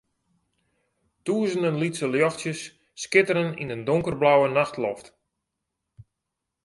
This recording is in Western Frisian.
Tûzenen lytse ljochtsjes skitteren yn in donkerblauwe nachtloft.